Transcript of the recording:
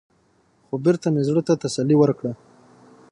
خـو بـېرته مـې زړه تـه تـسلا ورکړه.